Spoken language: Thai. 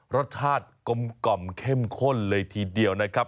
รสชาติกลมเข้มข้นเลยทีเดียวนะครับ